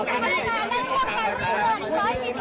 ขอถามหน่อยครับขอถามหน่อย